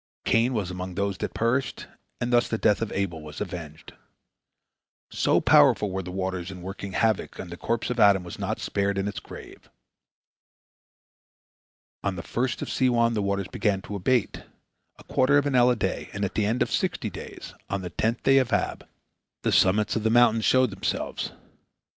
Cain was among those that perished, and thus the death of Abel was avenged. So powerful were the waters in working havoc that the corpse of Adam was not spared in its grave. On the first of Siwan the waters began to abate, a quarter of an ell a day, and at the end of sixty days, on the tenth day of Ab, the summits of the mountains showed themselves.